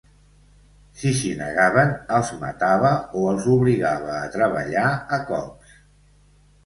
Si s'hi negaven, els matava o els obligava a treballar a cops.